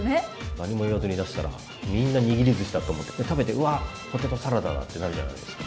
何も言わずに出したらみんな握りずしだと思ってで食べてうわっポテトサラダだ！ってなるじゃないですか。